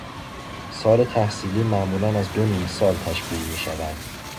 سال تحصیلی معمولا از دو نیمسال تشکیل میشود.